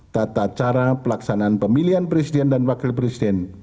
tata cara pelaksanaan pemilihan presiden dan wakil presiden